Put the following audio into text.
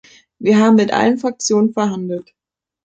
Wir haben mit allen Fraktionen verhandelt.